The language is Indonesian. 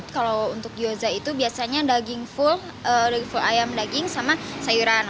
kalau untuk gyoza itu biasanya daging full daging full ayam daging sama sayuran